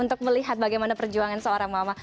untuk melihat bagaimana perjuangan seorang mama